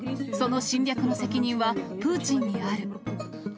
その侵略の責任は、プーチンにある。